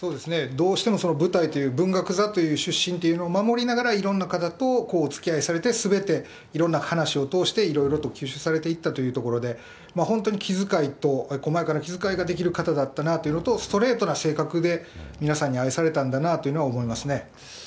どうしても舞台という、文学座という出身というのを守りながら、いろんな方とおつきあいされて、すべていろんな話を通して、いろいろと吸収されていったというところで、本当に気遣いと、こまやかな気遣いができる方だったなというのと、ストレートな性格で、皆さんに愛されたんだなというのは思いますね。